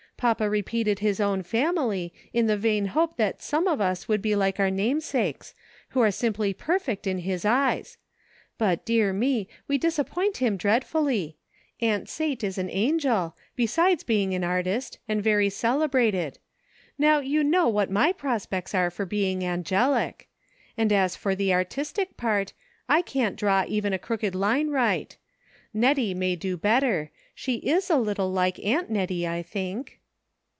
Papa repeated his own family, in the vain hope that some of us would be like our namesakes, who are simply perfect in his eyes ; but, dear me, we disappoint him dreadfully ! Aunt Sate is an angel, besides being an artist, and very celebrated ; now you know what my pros pects are for being angelic ! and as for the artistic part, I can't draw even a crooked line right ; Net tie may do better ; she is a little like Aunt Nettie, I think."